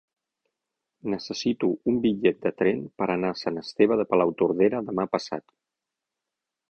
Necessito un bitllet de tren per anar a Sant Esteve de Palautordera demà passat.